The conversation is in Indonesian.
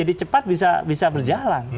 jadi cepat bisa berjalan